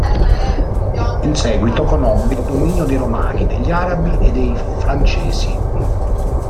In seguito conobbe il dominio dei Romani, degli Arabi e dei Francesi.